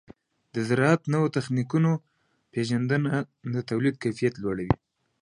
د زراعت د نوو تخنیکونو پیژندنه د تولید کیفیت لوړوي.